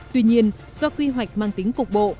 tuy nhiên do quy hoạch mang tính cục bộ